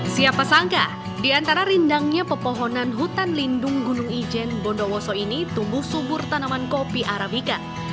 siapa sangka di antara rindangnya pepohonan hutan lindung gunung ijen bondowoso ini tumbuh subur tanaman kopi arabica